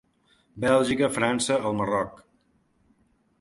Bèlgica – França – el Marroc.